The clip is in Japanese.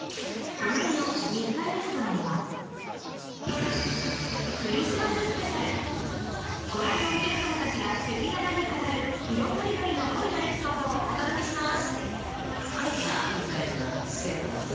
今宵の「密会レストラン」はご覧のお客様たちが赤裸々に語る色とりどりの恋のエピソードをお届けします